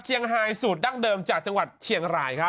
ไฮสูตรดั้งเดิมจากจังหวัดเชียงรายครับ